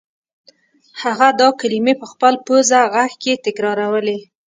هغه دا کلمې په خپل پوزه غږ کې تکرارولې